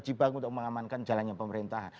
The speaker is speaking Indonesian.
dibangun untuk mengamankan jalannya pemerintahan